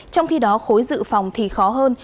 trong khi đó khối dự phòng thì khó hơn